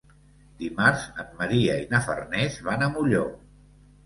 Dimarts en Maria i na Farners van a Molló.